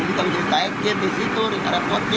sedangkan kemudian kita bisa naikin di situ di karepotnya